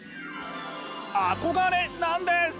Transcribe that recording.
「憧れ」なんです。